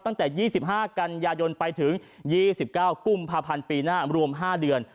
ตั้งแต่๒๕กันยายนไปถึง๒๙กุมภาพันธ์ปีหน้ารวม๕เดือน